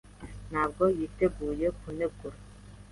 ntabwo yiteguye kunegura.